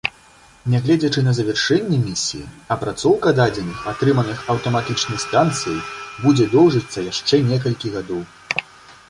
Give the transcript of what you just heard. Нягледзячы на завяршэнне місіі, апрацоўка дадзеных, атрыманых аўтаматычнай станцыяй, будзе доўжыцца яшчэ некалькі гадоў.